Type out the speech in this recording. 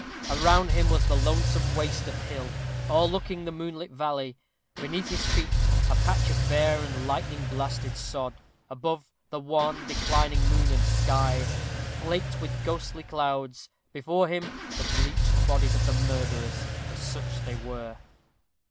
Around him was the lonesome waste of hill, o'erlooking the moonlit valley: beneath his feet, a patch of bare and lightning blasted sod: above, the wan, declining moon and skies, flaked with ghostly clouds; before him, the bleached bodies of the murderers, for such they were.